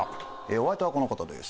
お相手はこの方です。